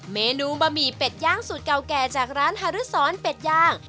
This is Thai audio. เมนูบะหมี่เป็ดย่างสูตรเก่าแก่จากร้านฮารุสรเป็ดย่าง